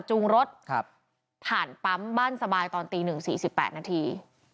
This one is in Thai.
จูงรถครับผ่านปั๊มบ้านสบายตอนตีหนึ่งสี่สิบแปดนาที